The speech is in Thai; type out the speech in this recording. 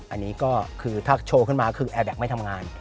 อันนี้ก็คือถ้าโชว์ขึ้นมาคือแอร์แก๊กไม่ทำงาน